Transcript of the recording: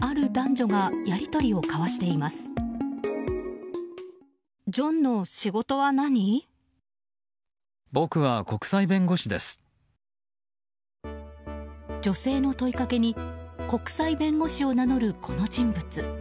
女性の問いかけに国際弁護士を名乗る、この人物。